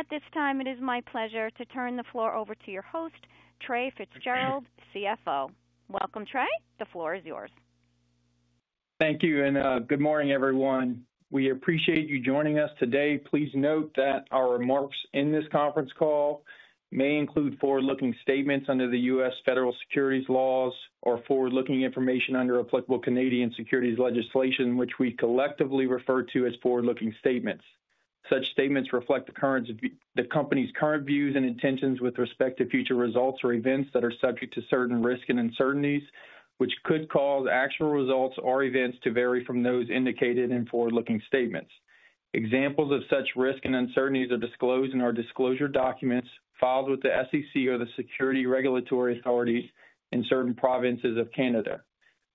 At this time, it is my pleasure to turn the floor over to your host, Trae Fitzgerald, CFO. Welcome, Trae. The floor is yours. Thank you, and good morning, everyone. We appreciate you joining us today. Please note that our remarks in this conference call may include forward-looking statements under the U.S. federal securities laws or forward-looking information under applicable Canadian securities legislation, which we collectively refer to as forward-looking statements. Such statements reflect the company's current views and intentions with respect to future results or events that are subject to certain risks and uncertainties, which could cause actual results or events to vary from those indicated in forward-looking statements. Examples of such risks and uncertainties are disclosed in our disclosure documents filed with the SEC or the security regulatory authorities in certain provinces of Canada.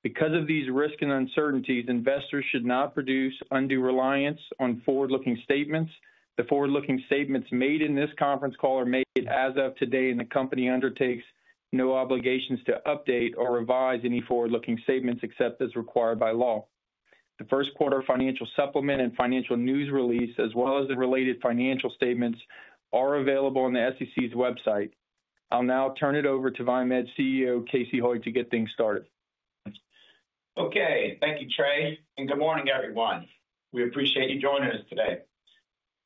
Because of these risks and uncertainties, investors should not place undue reliance on forward-looking statements. The forward-looking statements made in this conference call are made as of today, and the company undertakes no obligations to update or revise any forward-looking statements except as required by law. The first quarter financial supplement and financial news release, as well as the related financial statements, are available on the SEC's website. I'll now turn it over to VieMed CEO Casey Hoyt to get things started. Okay, thank you, Trae, and good morning, everyone. We appreciate you joining us today.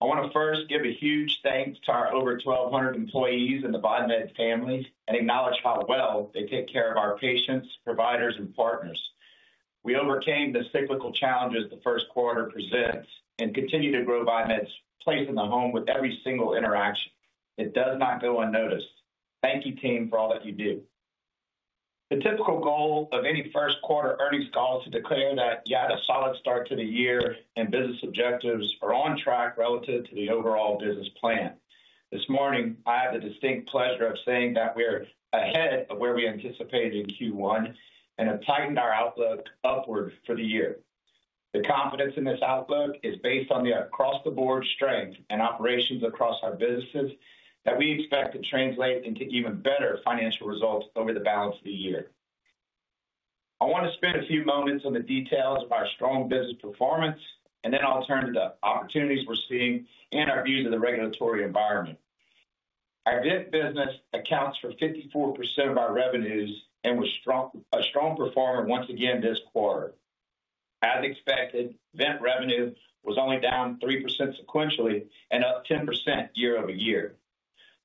I want to first give a huge thanks to our over 1,200 employees and the VieMed family and acknowledge how well they take care of our patients, providers, and partners. We overcame the cyclical challenges the first quarter presents and continue to grow VieMed's place in the home with every single interaction. It does not go unnoticed. Thank you, team, for all that you do. The typical goal of any first quarter earnings call is to declare that you had a solid start to the year and business objectives are on track relative to the overall business plan. This morning, I had the distinct pleasure of saying that we are ahead of where we anticipated in Q1 and have tightened our outlook upward for the year. The confidence in this outlook is based on the across-the-board strength and operations across our businesses that we expect to translate into even better financial results over the balance of the year. I want to spend a few moments on the details of our strong business performance, and then I'll turn to the opportunities we're seeing and our views of the regulatory environment. Our vent business accounts for 54% of our revenues and was a strong performer once again this quarter. As expected, vent revenue was only down 3% sequentially and up 10% year-over-year.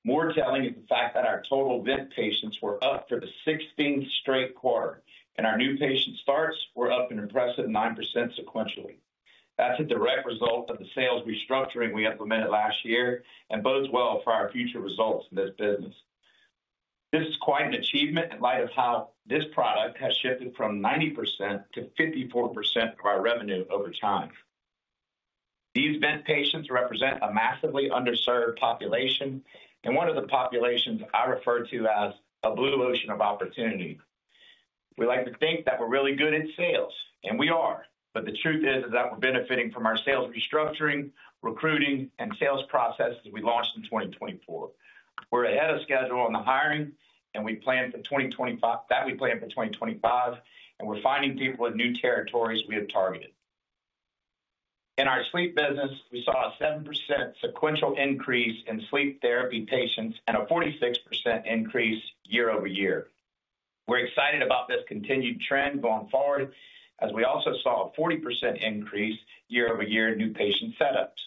More telling is the fact that our total vent patients were up for the 16th straight quarter, and our new patient starts were up an impressive 9% sequentially. That's a direct result of the sales restructuring we implemented last year and bodes well for our future results in this business. This is quite an achievement in light of how this product has shifted from 90% to 54% of our revenue over time. These vent patients represent a massively underserved population and one of the populations I refer to as a blue ocean of opportunity. We like to think that we're really good at sales, and we are, but the truth is that we're benefiting from our sales restructuring, recruiting, and sales processes we launched in 2024. We're ahead of schedule on the hiring, and we plan for 2025, and we're finding people in new territories we have targeted. In our sleep business, we saw a 7% sequential increase in sleep therapy patients and a 46% increase year-over-year. We're excited about this continued trend going forward as we also saw a 40% increase year-over-year in new patient setups.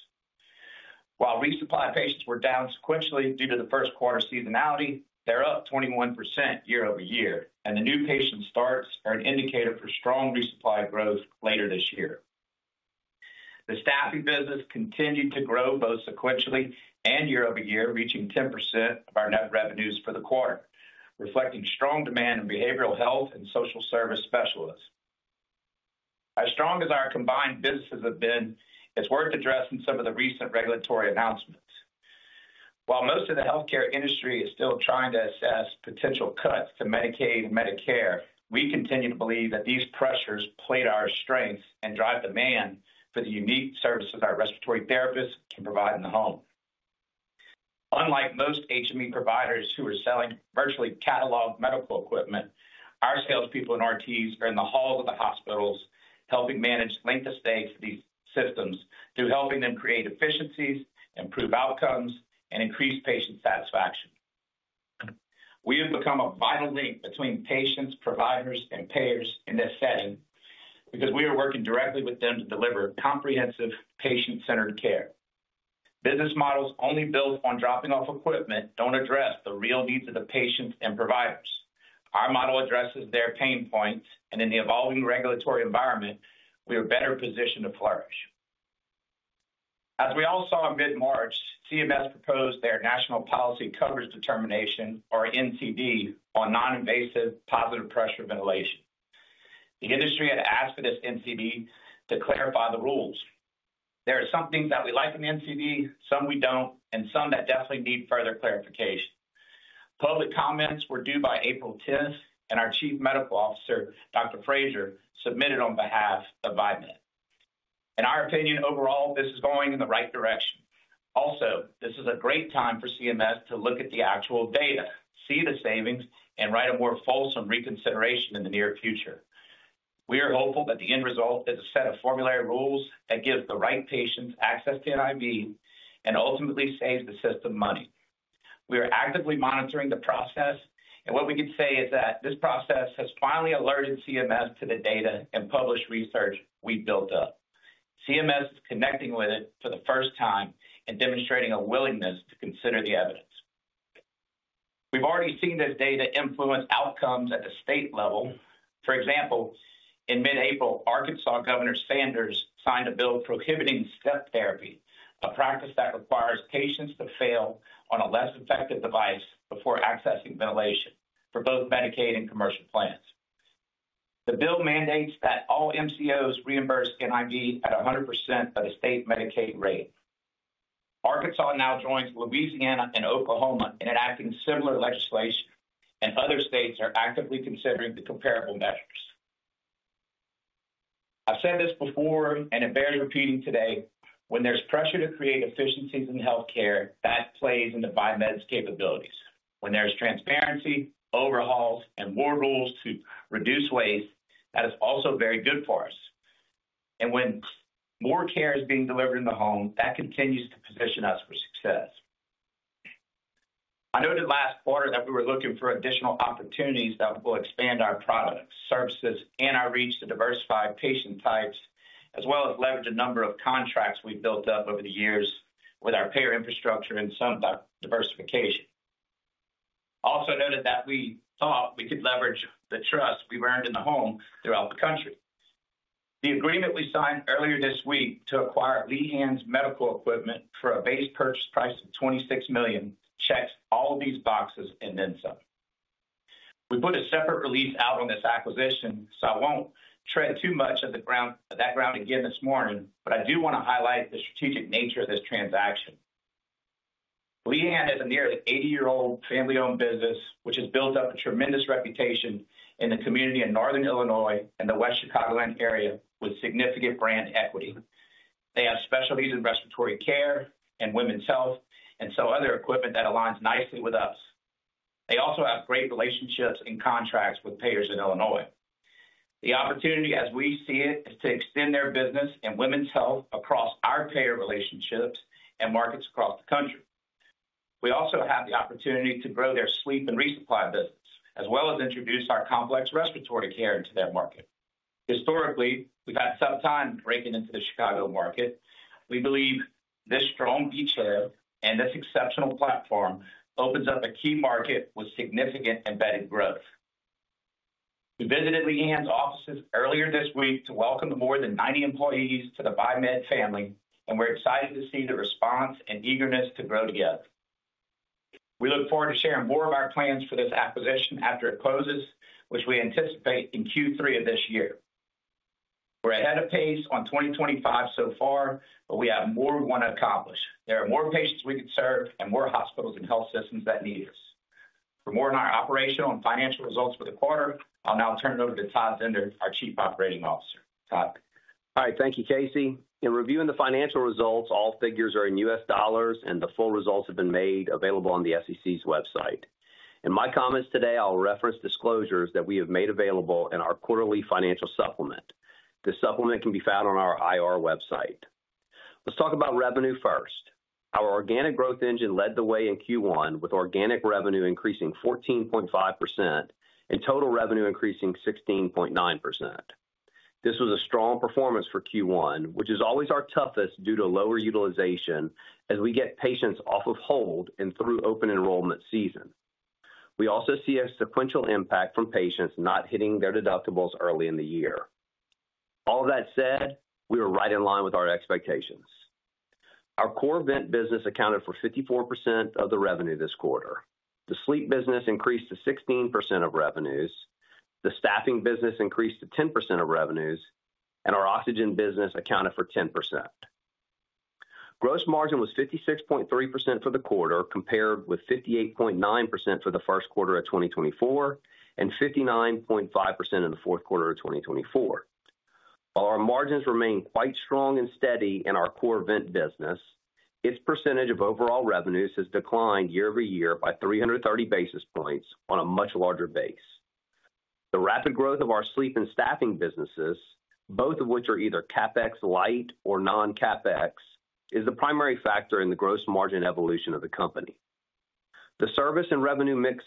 While resupply patients were down sequentially due to the first quarter seasonality, they're up 21% year-over-year, and the new patient starts are an indicator for strong resupply growth later this year. The staffing business continued to grow both sequentially and year-over-year, reaching 10% of our net revenues for the quarter, reflecting strong demand in behavioral health and social service specialists. As strong as our combined businesses have been, it's worth addressing some of the recent regulatory announcements. While most of the healthcare industry is still trying to assess potential cuts to Medicaid and Medicare, we continue to believe that these pressures play to our strengths and drive demand for the unique services our respiratory therapists can provide in the home. Unlike most HME providers who are selling virtually cataloged medical equipment, our salespeople and RTs are in the halls of the hospitals helping manage length of stay for these systems through helping them create efficiencies, improve outcomes, and increase patient satisfaction. We have become a vital link between patients, providers, and payers in this setting because we are working directly with them to deliver comprehensive patient-centered care. Business models only built on dropping off equipment do not address the real needs of the patients and providers. Our model addresses their pain points, and in the evolving regulatory environment, we are better positioned to flourish. As we all saw in mid-March, CMS proposed their national policy coverage determination, or NCD, on non-invasive positive pressure ventilation. The industry had asked for this NCD to clarify the rules. There are some things that we like in the NCD, some we do not, and some that definitely need further clarification. Public comments were due by April 10th, and our Chief Medical Officer, Dr. Fraser, submitted on behalf of VieMed. In our opinion, overall, this is going in the right direction. Also, this is a great time for CMS to look at the actual data, see the savings, and write a more fulsome reconsideration in the near future. We are hopeful that the end result is a set of formulary rules that gives the right patients access to an NIV and ultimately saves the system money. We are actively monitoring the process, and what we can say is that this process has finally alerted CMS to the data and published research we built up. CMS is connecting with it for the first time and demonstrating a willingness to consider the evidence. We've already seen this data influence outcomes at the state level. For example, in mid-April, Arkansas Governor Sanders signed a bill prohibiting step therapy, a practice that requires patients to fail on a less effective device before accessing ventilation for both Medicaid and commercial plans. The bill mandates that all MCOs reimburse an NIV at 100% of the state Medicaid rate. Arkansas now joins Louisiana and Oklahoma in enacting similar legislation, and other states are actively considering the comparable measures. I've said this before, and it bears repeating today: when there's pressure to create efficiencies in healthcare, that plays into VieMed's capabilities. When there's transparency, overhauls, and more rules to reduce waste, that is also very good for us. When more care is being delivered in the home, that continues to position us for success. I noted last quarter that we were looking for additional opportunities that will expand our products, services, and our reach to diversify patient types, as well as leverage a number of contracts we built up over the years with our payer infrastructure and some diversification. Also noted that we thought we could leverage the trust we've earned in the home throughout the country. The agreement we signed earlier this week to acquire Lehan's Medical Equipment for a base purchase price of $26 million checks all these boxes in insight. We put a separate release out on this acquisition, so I won't tread too much of that ground again this morning, but I do want to highlight the strategic nature of this transaction. Lehan is a nearly 80-year-old family-owned business, which has built up a tremendous reputation in the community in Northern Illinois and the West Chicagoland area with significant brand equity. They have specialties in respiratory care and women's health and some other equipment that aligns nicely with us. They also have great relationships and contracts with payers in Illinois. The opportunity, as we see it, is to extend their business and women's health across our payer relationships and markets across the country. We also have the opportunity to grow their sleep and resupply business, as well as introduce our complex respiratory care into that market. Historically, we've had tough times breaking into the Chicago market. We believe this strong beachhead and this exceptional platform opens up a key market with significant embedded growth. We visited Lehan's offices earlier this week to welcome the more than 90 employees to the VieMed family, and we're excited to see the response and eagerness to grow together. We look forward to sharing more of our plans for this acquisition after it closes, which we anticipate in Q3 of this year. We're ahead of pace on 2025 so far, but we have more we want to accomplish. There are more patients we can serve and more hospitals and health systems that need us. For more on our operational and financial results for the quarter, I'll now turn it over to Todd Zehnder, our Chief Operating Officer. All right, thank you, Casey. In reviewing the financial results, all figures are in U.S. dollars, and the full results have been made available on the SEC's website. In my comments today, I'll reference disclosures that we have made available in our quarterly financial supplement. The supplement can be found on our IR website. Let's talk about revenue first. Our organic growth engine led the way in Q1, with organic revenue increasing 14.5% and total revenue increasing 16.9%. This was a strong performance for Q1, which is always our toughest due to lower utilization as we get patients off of hold and through open enrollment season. We also see a sequential impact from patients not hitting their deductibles early in the year. All that said, we were right in line with our expectations. Our core vent business accounted for 54% of the revenue this quarter. The sleep business increased to 16% of revenues. The staffing business increased to 10% of revenues, and our oxygen business accounted for 10%. Gross margin was 56.3% for the quarter, compared with 58.9% for the first quarter of 2024 and 59.5% in the fourth quarter of 2024. While our margins remain quite strong and steady in our core vent business, its percentage of overall revenues has declined year-over-year by 330 basis points on a much larger base. The rapid growth of our sleep and staffing businesses, both of which are either CapEx-light or non-CapEx, is the primary factor in the gross margin evolution of the company. The service and revenue mix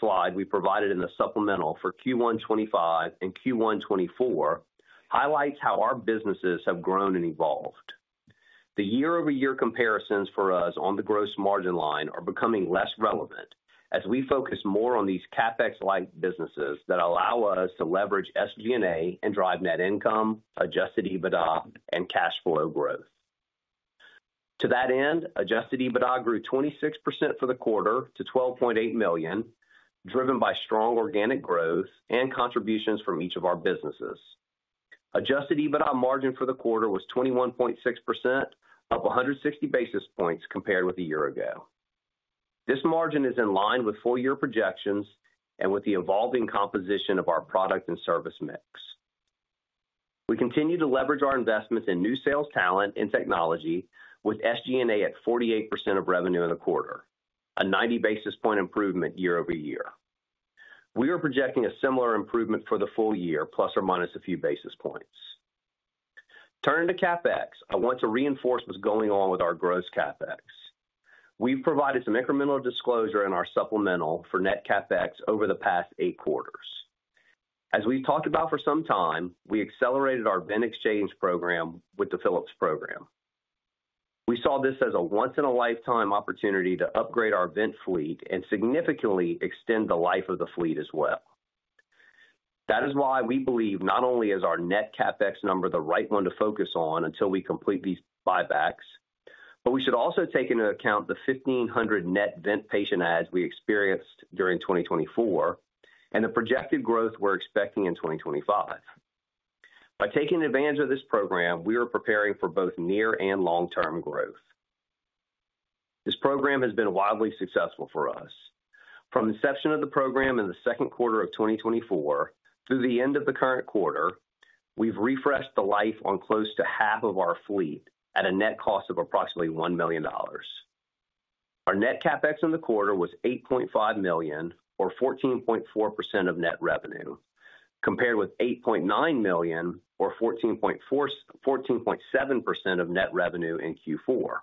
slide we provided in the supplemental for Q1 2025 and Q1 2024 highlights how our businesses have grown and evolved. The year-over-year comparisons for us on the gross margin line are becoming less relevant as we focus more on these CapEx-like businesses that allow us to leverage SG&A and drive net income, adjusted EBITDA, and cash flow growth. To that end, adjusted EBITDA grew 26% for the quarter to $12.8 million, driven by strong organic growth and contributions from each of our businesses. Adjusted EBITDA margin for the quarter was 21.6%, up 160 basis points compared with a year ago. This margin is in line with full-year projections and with the evolving composition of our product and service mix. We continue to leverage our investments in new sales talent and technology, with SG&A at 48% of revenue in the quarter, a 90-basis-point improvement year-over-year. We are projecting a similar improvement for the full year, plus or minus a few basis points. Turning to CapEx, I want to reinforce what's going on with our gross CapEx. We've provided some incremental disclosure in our supplemental for net CapEx over the past eight quarters. As we've talked about for some time, we accelerated our vent exchange program with the Philips program. We saw this as a once-in-a-lifetime opportunity to upgrade our vent fleet and significantly extend the life of the fleet as well. That is why we believe not only is our net CapEx number the right one to focus on until we complete these buybacks, but we should also take into account the 1,500 net vent patient adds we experienced during 2024 and the projected growth we're expecting in 2025. By taking advantage of this program, we are preparing for both near and long-term growth. This program has been wildly successful for us. From the inception of the program in the second quarter of 2024 through the end of the current quarter, we've refreshed the life on close to half of our fleet at a net cost of approximately $1 million. Our net CapEx in the quarter was $8.5 million, or 14.4% of net revenue, compared with $8.9 million, or 14.7% of net revenue in Q4.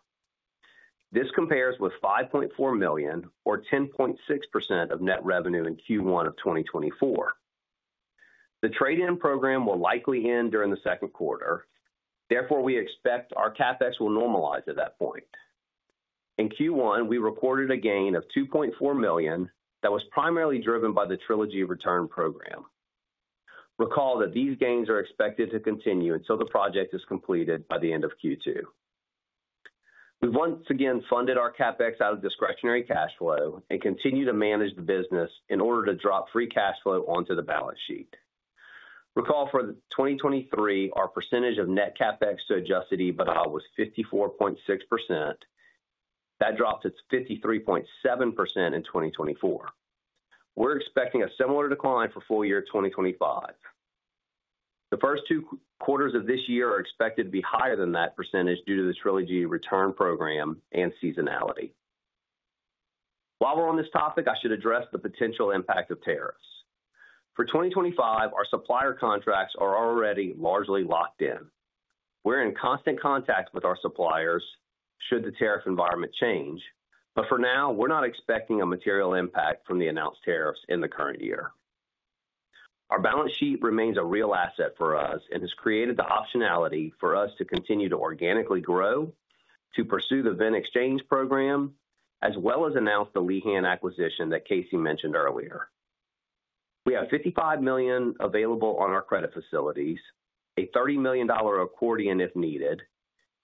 This compares with $5.4 million, or 10.6% of net revenue in Q1 of 2024. The trade-in program will likely end during the second quarter. Therefore, we expect our CapEx will normalize at that point. In Q1, we recorded a gain of $2.4 million that was primarily driven by the Trilogy Return Program. Recall that these gains are expected to continue until the project is completed by the end of Q2. We've once again funded our CapEx out of discretionary cash flow and continue to manage the business in order to drop free cash flow onto the balance sheet. Recall for 2023, our percentage of net CapEx to adjusted EBITDA was 54.6%. That drops to 53.7% in 2024. We're expecting a similar decline for full-year 2025. The first two quarters of this year are expected to be higher than that percentage due to the Trilogy Return Program and seasonality. While we're on this topic, I should address the potential impact of tariffs. For 2025, our supplier contracts are already largely locked in. We're in constant contact with our suppliers should the tariff environment change, but for now, we're not expecting a material impact from the announced tariffs in the current year. Our balance sheet remains a real asset for us and has created the optionality for us to continue to organically grow, to pursue the vent exchange program, as well as announce the Lehan acquisition that Casey mentioned earlier. We have $55 million available on our credit facilities, a $30 million accordion if needed,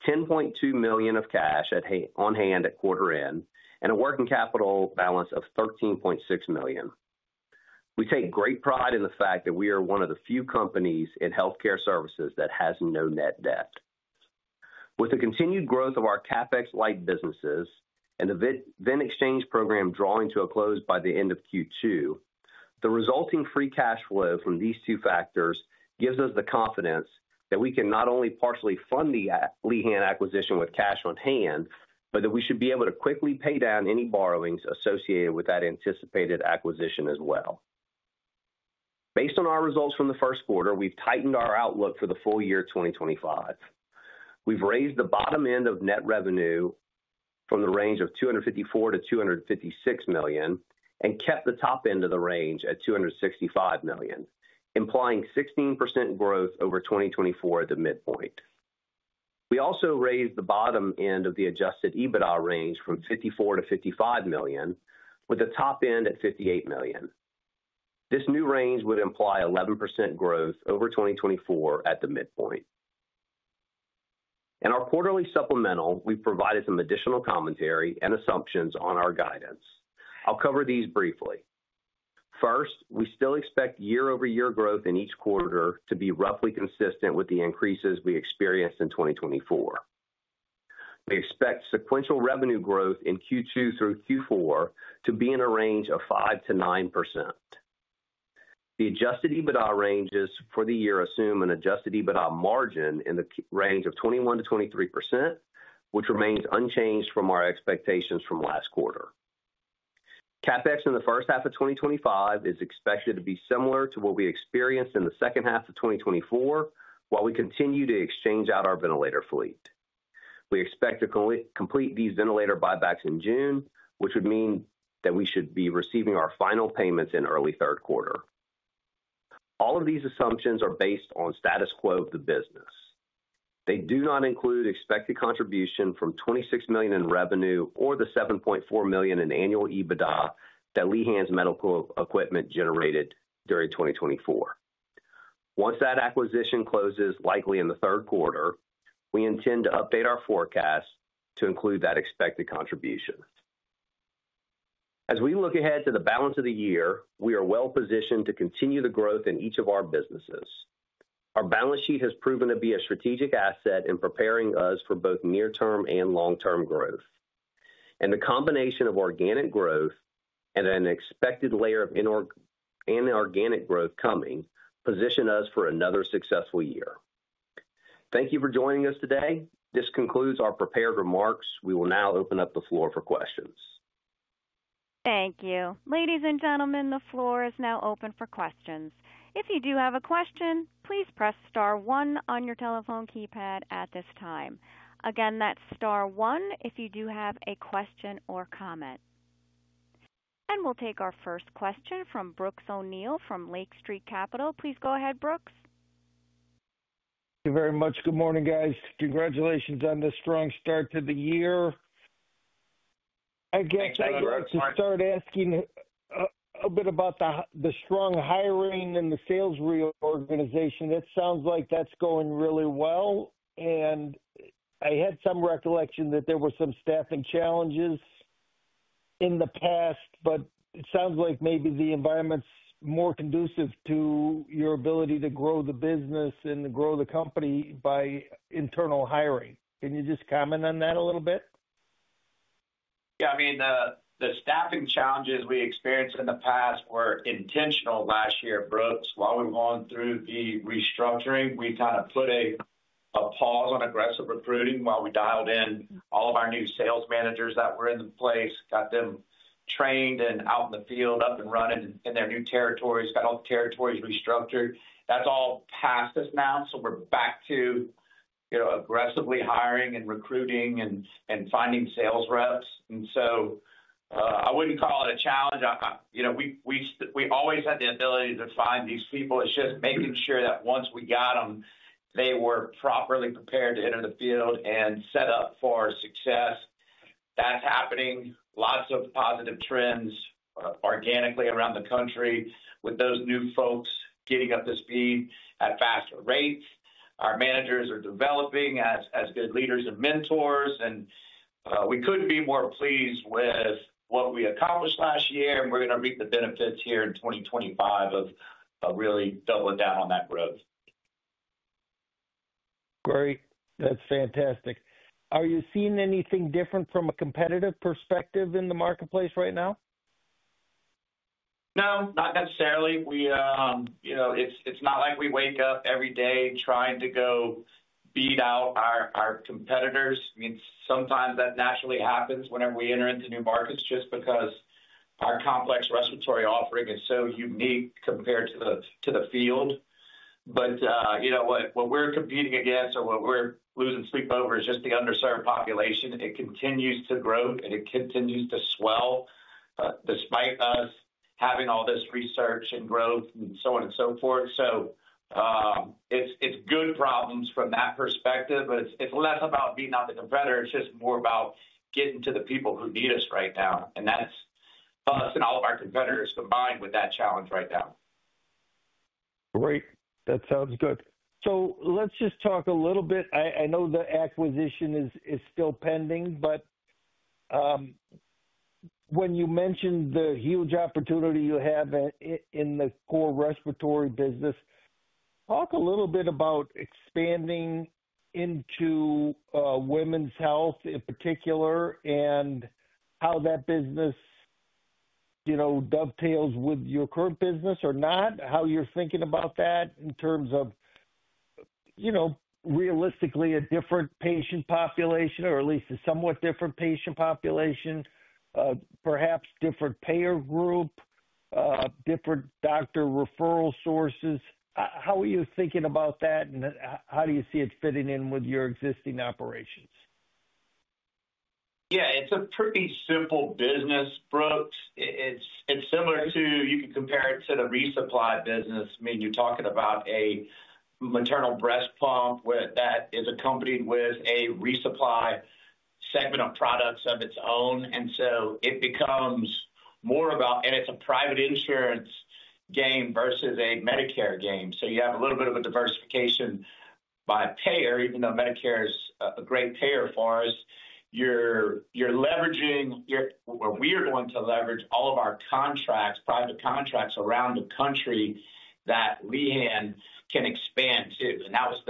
$10.2 million of cash on hand at quarter end, and a working capital balance of $13.6 million. We take great pride in the fact that we are one of the few companies in healthcare services that has no net debt. With the continued growth of our CapEx-like businesses and the vent exchange program drawing to a close by the end of Q2, the resulting free cash flow from these two factors gives us the confidence that we can not only partially fund the Lehan acquisition with cash on hand, but that we should be able to quickly pay down any borrowings associated with that anticipated acquisition as well. Based on our results from the first quarter, we've tightened our outlook for the full year 2025. We've raised the bottom end of net revenue from the range of $254 million-$256 million and kept the top end of the range at $265 million, implying 16% growth over 2024 at the midpoint. We also raised the bottom end of the adjusted EBITDA range from $54 million-$55 million, with the top end at $58 million. This new range would imply 11% growth over 2024 at the midpoint. In our quarterly supplemental, we've provided some additional commentary and assumptions on our guidance. I'll cover these briefly. First, we still expect year-over-year growth in each quarter to be roughly consistent with the increases we experienced in 2024. We expect sequential revenue growth in Q2 through Q4 to be in a range of 5%-9%. The adjusted EBITDA ranges for the year assume an adjusted EBITDA margin in the range of 21%-23%, which remains unchanged from our expectations from last quarter. CapEx in the first half of 2025 is expected to be similar to what we experienced in the second half of 2024 while we continue to exchange out our ventilator fleet. We expect to complete these ventilator buybacks in June, which would mean that we should be receiving our final payments in early third quarter. All of these assumptions are based on status quo of the business. They do not include expected contribution from $26 million in revenue or the $7.4 million in annual EBITDA that Lehan's Medical Equipment generated during 2024. Once that acquisition closes, likely in the third quarter, we intend to update our forecast to include that expected contribution. As we look ahead to the balance of the year, we are well-positioned to continue the growth in each of our businesses. Our balance sheet has proven to be a strategic asset in preparing us for both near-term and long-term growth. The combination of organic growth and an expected layer of organic growth coming positions us for another successful year. Thank you for joining us today. This concludes our prepared remarks. We will now open up the floor for questions. Thank you. Ladies and gentlemen, the floor is now open for questions. If you do have a question, please press star one on your telephone keypad at this time. Again, that's star one if you do have a question or comment. We will take our first question from Brooks O'Neil from Lake Street Capital. Please go ahead, Brooks. Thank you very much. Good morning, guys. Congratulations on the strong start to the year. I guess I'd like to start asking a bit about the strong hiring and the sales reorganization. It sounds like that's going really well. I had some recollection that there were some staffing challenges in the past, but it sounds like maybe the environment's more conducive to your ability to grow the business and grow the company by internal hiring. Can you just comment on that a little bit? Yeah. I mean, the staffing challenges we experienced in the past were intentional last year, Brooks. While we were going through the restructuring, we kind of put a pause on aggressive recruiting while we dialed in all of our new sales managers that were in the place, got them trained and out in the field, up and running in their new territories, got all the territories restructured. That's all past us now. We are back to aggressively hiring and recruiting and finding sales reps. I would not call it a challenge. We always had the ability to find these people. It's just making sure that once we got them, they were properly prepared to enter the field and set up for success. That's happening. Lots of positive trends organically around the country with those new folks getting up to speed at faster rates. Our managers are developing as good leaders and mentors. We could not be more pleased with what we accomplished last year. We are going to reap the benefits here in 2025 of really doubling down on that growth. Great. That's fantastic. Are you seeing anything different from a competitive perspective in the marketplace right now? No, not necessarily. It's not like we wake up every day trying to go beat out our competitors. I mean, sometimes that naturally happens whenever we enter into new markets just because our complex respiratory offering is so unique compared to the field. What we're competing against or what we're losing sleep over is just the underserved population. It continues to grow, and it continues to swell despite us having all this research and growth and so on and so forth. It's good problems from that perspective, but it's less about being not the competitor. It's just more about getting to the people who need us right now. That's us and all of our competitors combined with that challenge right now. Great. That sounds good. Let's just talk a little bit. I know the acquisition is still pending, but when you mentioned the huge opportunity you have in the core respiratory business, talk a little bit about expanding into women's health in particular and how that business dovetails with your current business or not, how you're thinking about that in terms of realistically a different patient population or at least a somewhat different patient population, perhaps different payer group, different doctor referral sources. How are you thinking about that, and how do you see it fitting in with your existing operations? Yeah. It's a pretty simple business, Brooks. It's similar to, you can compare it to the resupply business. I mean, you're talking about a maternal breast pump that is accompanied with a resupply segment of products of its own. It becomes more about, and it's a private insurance game versus a Medicare game. You have a little bit of a diversification by payer, even though Medicare is a great payer for us. You're leveraging, or we are going to leverage, all of our contracts, private contracts around the country that Lehan can expand to. That was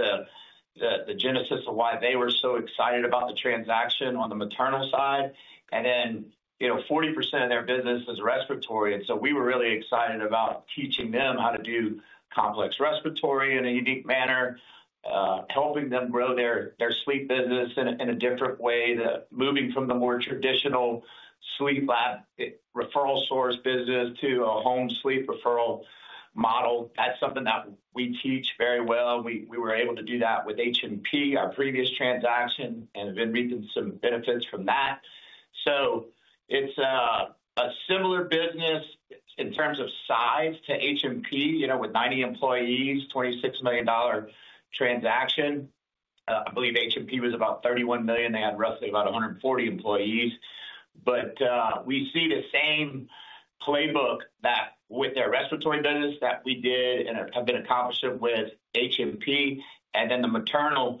the genesis of why they were so excited about the transaction on the maternal side. Then 40% of their business is respiratory. We were really excited about teaching them how to do complex respiratory in a unique manner, helping them grow their sleep business in a different way, moving from the more traditional sleep lab referral source business to a home sleep referral model. That's something that we teach very well. We were able to do that with HMP, our previous transaction, and have been reaping some benefits from that. It is a similar business in terms of size to HMP with 90 employees, $26 million transaction. I believe HMP was about $31 million. They had roughly about 140 employees. We see the same playbook with their respiratory business that we did and have been accomplishing with HMP. The maternal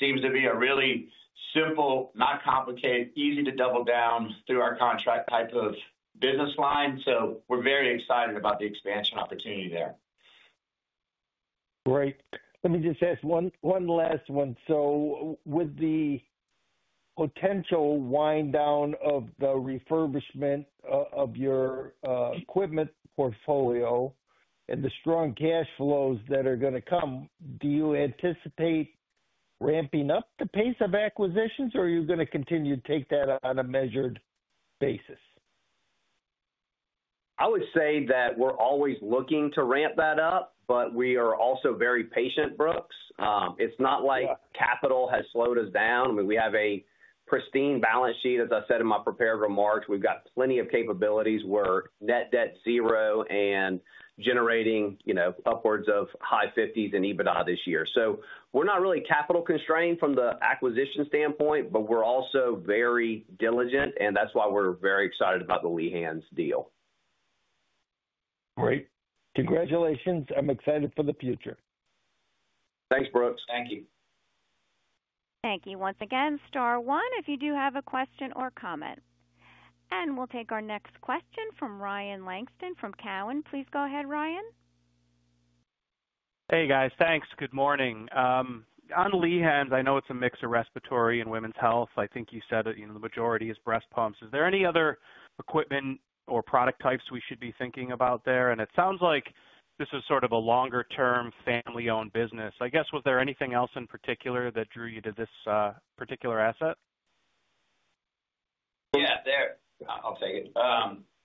seems to be a really simple, not complicated, easy to double down through our contract type of business line. We're very excited about the expansion opportunity there. Great. Let me just ask one last one. With the potential wind down of the refurbishment of your equipment portfolio and the strong cash flows that are going to come, do you anticipate ramping up the pace of acquisitions, or are you going to continue to take that on a measured basis? I would say that we're always looking to ramp that up, but we are also very patient, Brooks. It's not like capital has slowed us down. I mean, we have a pristine balance sheet. As I said in my prepared remarks, we've got plenty of capabilities. We're net debt zero and generating upwards of high 50s in EBITDA this year. So we're not really capital constrained from the acquisition standpoint, but we're also very diligent, and that's why we're very excited about the Lehan's deal. Great. Congratulations. I'm excited for the future. Thanks, Brooks. Thank you. Thank you once again, star one, if you do have a question or comment. We will take our next question from Ryan Langston from Cowen. Please go ahead, Ryan. Hey, guys. Thanks. Good morning. On Lehan, I know it's a mix of respiratory and women's health. I think you said the majority is breast pumps. Is there any other equipment or product types we should be thinking about there? It sounds like this is sort of a longer-term family-owned business. I guess, was there anything else in particular that drew you to this particular asset? Yeah, I'll take it.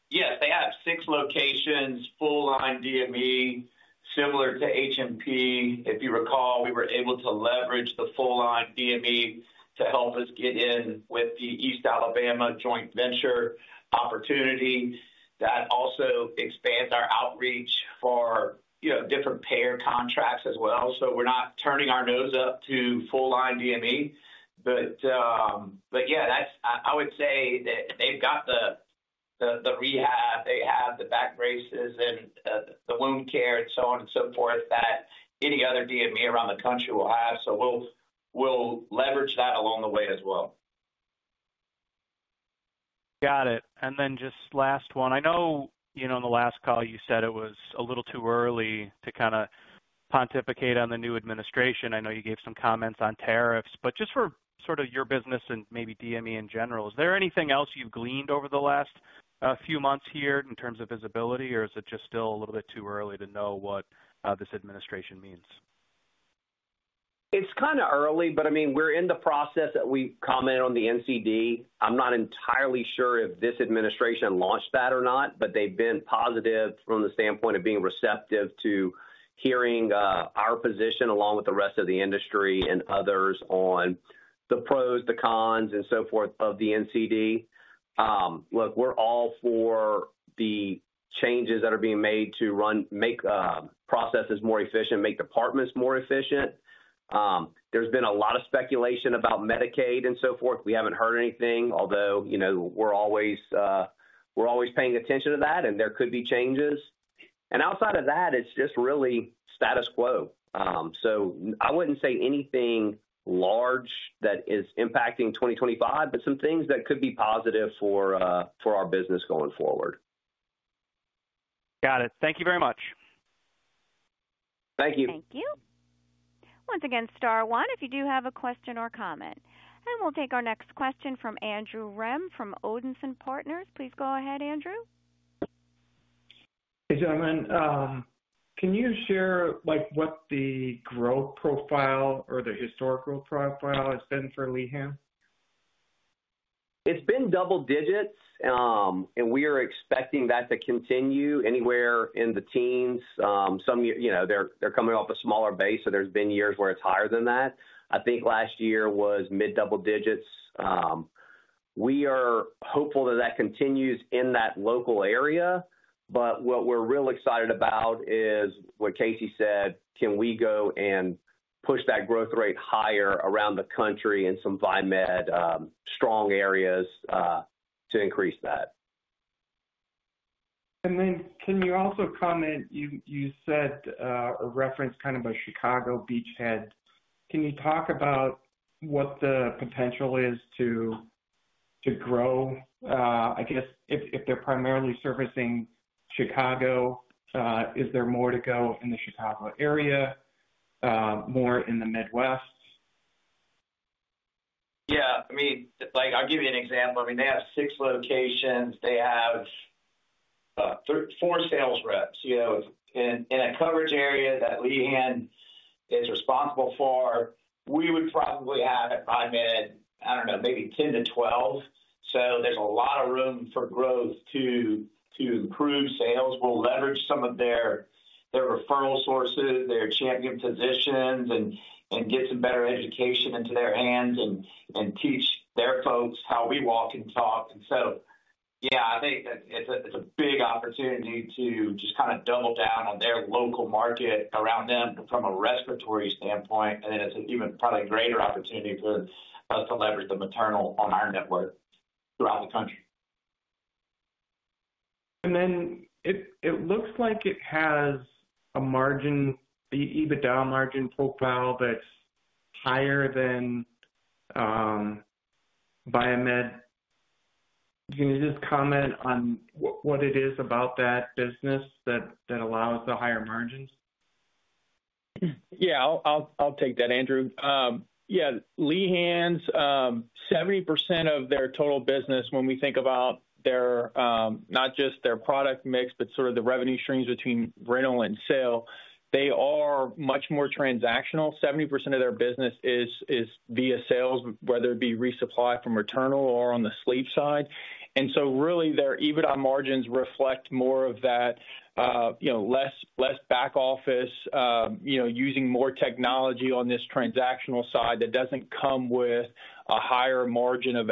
Yes, they have six locations, full-on DME, similar to HMP. If you recall, we were able to leverage the full-on DME to help us get in with the East Alabama joint venture opportunity. That also expands our outreach for different payer contracts as well. We're not turning our nose up to full-on DME. Yeah, I would say that they've got the rehab. They have the back braces and the wound care and so on and so forth that any other DME around the country will have. We'll leverage that along the way as well. Got it. And then just last one. I know on the last call, you said it was a little too early to kind of pontificate on the new administration. I know you gave some comments on tariffs. But just for sort of your business and maybe DME in general, is there anything else you've gleaned over the last few months here in terms of visibility, or is it just still a little bit too early to know what this administration means? It's kind of early, but I mean, we're in the process that we commented on the NCD. I'm not entirely sure if this administration launched that or not, but they've been positive from the standpoint of being receptive to hearing our position along with the rest of the industry and others on the pros, the cons, and so forth of the NCD. Look, we're all for the changes that are being made to make processes more efficient, make departments more efficient. There's been a lot of speculation about Medicaid and so forth. We haven't heard anything, although we're always paying attention to that, and there could be changes. Outside of that, it's just really status quo. I wouldn't say anything large that is impacting 2025, but some things that could be positive for our business going forward. Got it. Thank you very much. Thank you. Thank you. Once again, star one, if you do have a question or comment. We will take our next question from Andrew Rem from Odinson Partners. Please go ahead, Andrew. Hey, gentlemen. Can you share what the growth profile or the historical profile has been for Lehan? It's been double-digits, and we are expecting that to continue anywhere in the teens. They're coming off a smaller base, so there's been years where it's higher than that. I think last year was mid-double-digits. We are hopeful that that continues in that local area. What we're real excited about is what Casey said, can we go and push that growth rate higher around the country in some VieMed strong areas to increase that? Can you also comment? You said or referenced kind of a Chicago beachhead. Can you talk about what the potential is to grow? I guess if they're primarily servicing Chicago, is there more to go in the Chicago area, more in the Midwest? Yeah. I mean, I'll give you an example. I mean, they have six locations. They have four sales reps in a coverage area that Lehan is responsible for. We would probably have at VieMed, I don't know, maybe 10-12. There is a lot of room for growth to improve sales. We'll leverage some of their referral sources, their champion positions, and get some better education into their hands and teach their folks how we walk and talk. Yeah, I think it's a big opportunity to just kind of double down on their local market around them from a respiratory standpoint. It is even probably a greater opportunity for us to leverage the maternal on our network throughout the country. It looks like it has a margin, the EBITDA margin profile that's higher than VieMed. Can you just comment on what it is about that business that allows the higher margins? Yeah, I'll take that, Andrew. Yeah, Lehan's 70% of their total business, when we think about not just their product mix, but sort of the revenue streams between rental and sale, they are much more transactional. 70% of their business is via sales, whether it be resupply from maternal or on the sleep side. And so really, their EBITDA margins reflect more of that less back office, using more technology on this transactional side that doesn't come with a higher margin of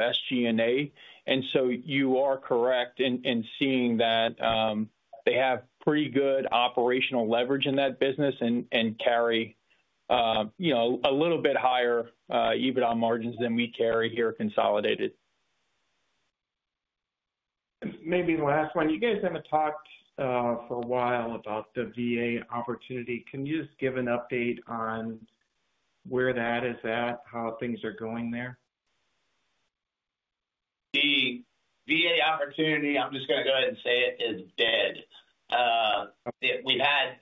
SG&A. You are correct in seeing that they have pretty good operational leverage in that business and carry a little bit higher EBITDA margins than we carry here consolidated. Maybe the last one. You guys haven't talked for a while about the VA opportunity. Can you just give an update on where that is at, how things are going there? The VA opportunity, I'm just going to go ahead and say it, is dead. We've had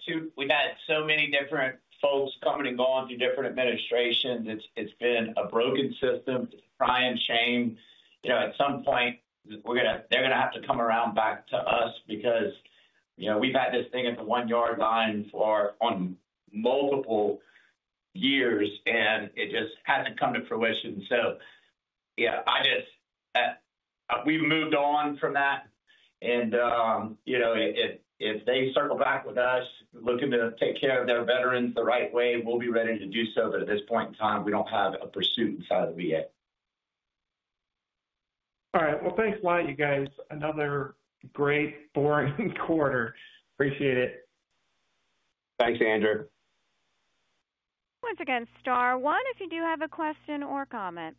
so many different folks coming and going through different administrations. It's been a broken system. It's a crying shame. At some point, they're going to have to come around back to us because we've had this thing at the one-yard line for multiple years, and it just hasn't come to fruition. Yeah, we've moved on from that. If they circle back with us, looking to take care of their veterans the right way, we'll be ready to do so. At this point in time, we don't have a pursuit inside of the VA. All right. Thanks a lot, you guys. Another great boring quarter. Appreciate it. Thanks, Andrew. Once again, star one if you do have a question or comment.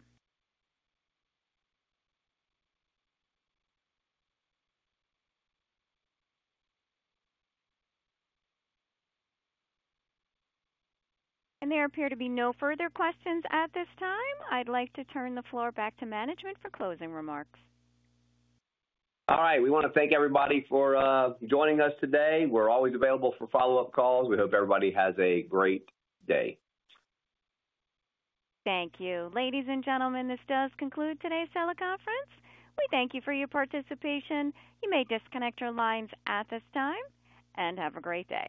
There appear to be no further questions at this time. I'd like to turn the floor back to management for closing remarks. All right. We want to thank everybody for joining us today. We're always available for follow-up calls. We hope everybody has a great day. Thank you. Ladies and gentlemen, this does conclude today's teleconference. We thank you for your participation. You may disconnect your lines at this time and have a great day.